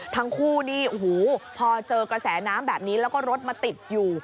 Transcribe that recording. ทั้งคู่นี่โอ้โหพอเจอกระแสน้ำแบบนี้แล้วก็รถมาติดอยู่